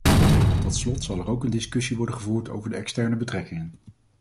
Tot slot zal er ook een discussie worden gevoerd over de externe betrekkingen.